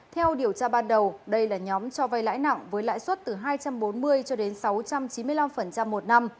theo điều tra ban đầu đây là nhóm cho vay lãi nặng với lãi suất từ hai trăm bốn mươi cho đến sáu trăm chín mươi năm một năm